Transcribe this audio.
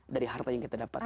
dari harta yang kita dapat